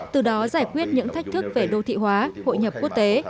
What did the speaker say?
từ đó giải quyết những thách thức về đô thị hóa hội nhập quốc tế